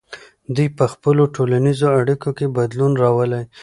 دوی په خپلو ټولنیزو اړیکو کې بدلون راولي.